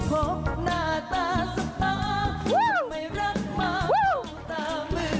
เพียงพบหน้าตาสปาหรือไม่รักมากก็ตามึง